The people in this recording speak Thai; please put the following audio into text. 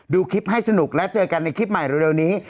ดูคลิปให้สนุกและเจอกันในคลิปใหม่เร็วนี้